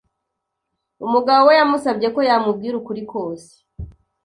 Umugabo we yamusabye ko yamubwira ukuri kose.